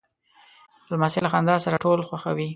لمسی له خندا سره ټول خوښوي.